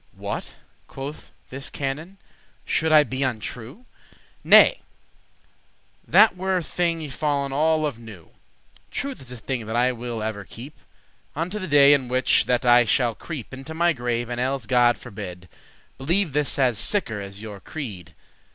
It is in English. "What," quoth this canon, "should I be untrue? Nay, that were *thing y fallen all of new!* *a new thing to happen* Truth is a thing that I will ever keep, Unto the day in which that I shall creep Into my grave; and elles God forbid; Believe this as sicker* as your creed.